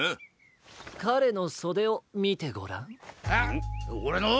かれのそでをみてごらん。は？